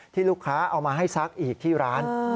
ที่ลูกค้าเอามาให้ซักอีกที่ร้าน